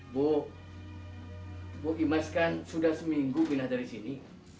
bu bu imas kan sudah seminggu binatari sini